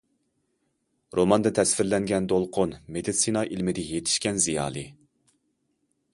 روماندا تەسۋىرلەنگەن دولقۇن مېدىتسىنا ئىلمىدە يېتىشكەن زىيالىي.